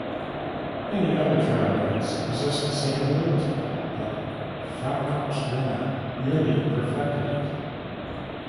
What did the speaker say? Many other trilobites possessed the same ability, but "Phacops rana" nearly perfected it.